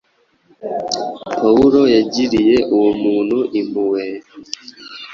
Pawulo yagiriye uwo muntu impuhwe,